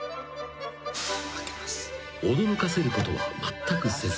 ［驚かせることはまったくせず］